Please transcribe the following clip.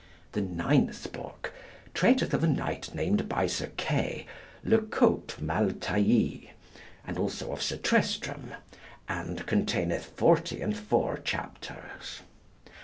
The ninth book treateth of a knight named by Sir Kay, 'Le cote mal tailié,' and also of Sir Tristram, and containeth 44 chapters.